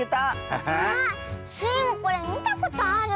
あスイもこれみたことある。